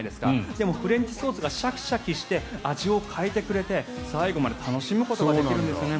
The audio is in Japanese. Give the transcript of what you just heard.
でも、フレンチソースがシャキシャキして味を変えてくれて最後まで楽しむことができるんです。